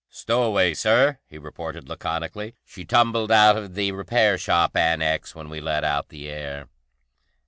"Stowaway, Sir," he reported laconically. "She tumbled out of the repair shop annex when we let out the air!"